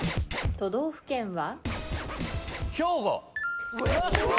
都道府県は？